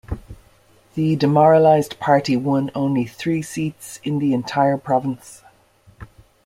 The demoralized party won only three seats in the entire province.